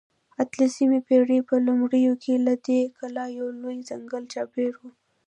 د اتلسمې پېړۍ په لومړیو کې له دې کلا یو لوی ځنګل چاپېر و.